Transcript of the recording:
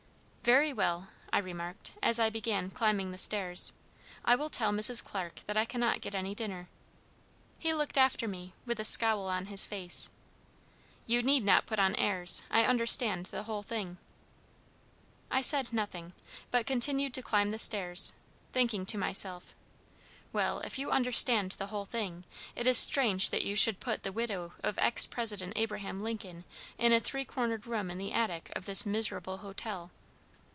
"Very well," I remarked, as I began climbing the stairs, "I will tell Mrs. Clarke that I cannot get any dinner." He looked after me, with a scowl on his face: "You need not put on airs! I understand the whole thing." I said nothing, but continued to climb the stairs, thinking to myself: "Well, if you understand the whole thing, it is strange that you should put the widow of ex President Abraham Lincoln in a three cornered room in the attic of this miserable hotel."